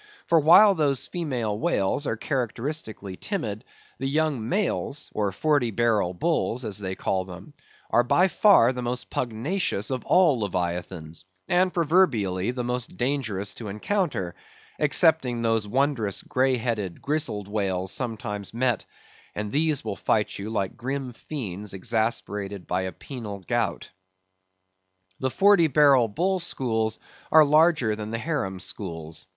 For while those female whales are characteristically timid, the young males, or forty barrel bulls, as they call them, are by far the most pugnacious of all Leviathans, and proverbially the most dangerous to encounter; excepting those wondrous grey headed, grizzled whales, sometimes met, and these will fight you like grim fiends exasperated by a penal gout. The Forty barrel bull schools are larger than the harem schools.